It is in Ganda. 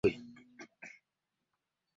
Olina okufuna emikwano emirungi ku gwe.